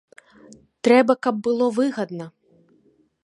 Трэба, каб было выгадна.